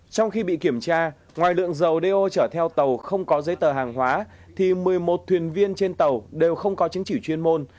trong khi bị kiểm tra ngoài lượng dầu đeo chở theo tàu không có giấy tờ hàng hóa thì một mươi một thuyền viên trên tàu đều không có chứng chỉ chuyên môn